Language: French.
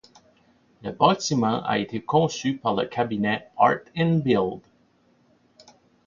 Le bâtiment a été conçu par le cabinet Art & Build.